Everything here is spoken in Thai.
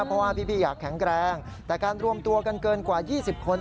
เพราะว่าพี่อยากแข็งแรงแต่การรวมตัวกันเกินกว่า๒๐คน